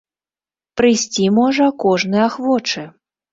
Прыйсці можа кожны ахвочы!